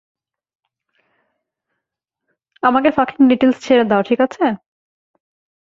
আমাকে fucking details ছেড়ে দাও, ঠিক আছে?